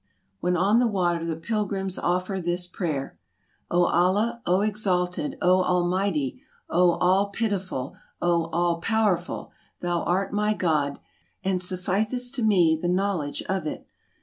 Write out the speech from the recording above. When on the water the pilgrims offer this prayer :" O Allah, O Exalted, O Almighty, O All pitiful, O All power ful, thou art my God, and sufficeth to me the knowledge of it!